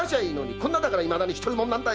こんなだからいまだに独り者なんだよ！